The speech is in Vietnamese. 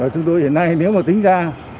chúng tôi hiện nay nếu mà tính ra